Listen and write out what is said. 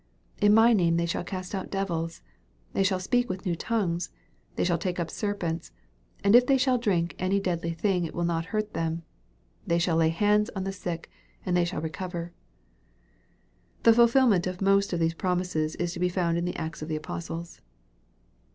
In my name they shall cast out devils ; they shall speak with new tongues ; they shall take up serpents ; and if they shall drink any deadly thing it shall not hurt them ; they shall lay hands on the sick, and they shall recover/' The fulfilment of most of these promises is to be found in the Acts of the Apostles.